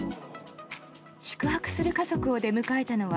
宿泊する家族を出迎えたのは。